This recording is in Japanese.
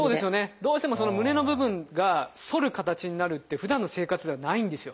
どうしてもその胸の部分が反る形になるってふだんの生活ではないんですよ。